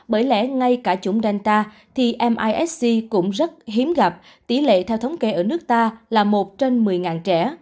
bởi lẽ ngay cả chủng danta thì misc cũng rất hiếm gặp tỷ lệ theo thống kê ở nước ta là một trên một mươi trẻ